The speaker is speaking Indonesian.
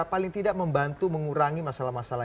paling tidak membantu mengurangi masalah masalah